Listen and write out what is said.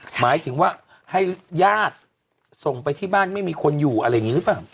หมายถึงว่าให้ญาติส่งไปที่บ้านไม่มีคนอยู่อะไรอย่างนี้หรือเปล่า